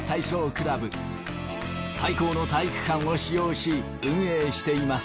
廃校の体育館を使用し運営しています。